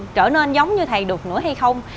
trở nên giống như thầy được nữa hay không